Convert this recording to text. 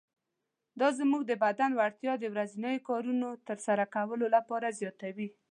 دا زموږ د بدن وړتیا د ورځنیو کارونو تر سره کولو لپاره زیاتوي.